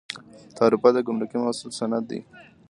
تعرفه د ګمرکي محصول سند دی